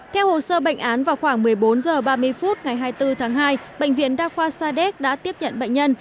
theo hồ sơ bệnh án vào khoảng một mươi bốn h ba mươi phút ngày hai mươi bốn tháng hai bệnh viện đa khoa sa đéc đã tiếp nhận bệnh nhân